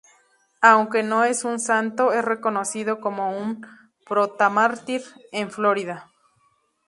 Aunque no es un santo, es reconocido como un protomártir en Florida.